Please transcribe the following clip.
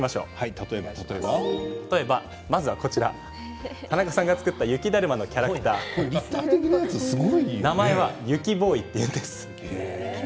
例えば、まずはこちら田中さんが作った雪だるまのキャラクター名前は雪ボーイというんです。